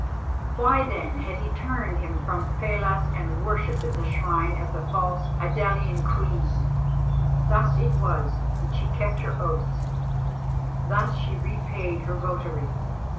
Why then had he turned him from Pallas and worshipped at the shrine of the false Idalian Queen? Thus it was that she kept her oaths; thus she repaid her votary.